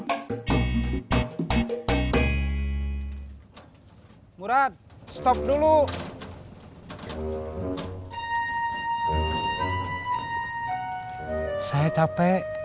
saya capek haus